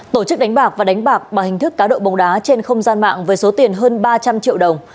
tổ chức đánh bạc và đánh bạc bằng hình thức cá độ bóng đá trên không gian mạng với số tiền hơn ba trăm linh triệu đồng